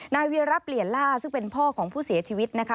เวียรับเปลี่ยนล่าซึ่งเป็นพ่อของผู้เสียชีวิตนะคะ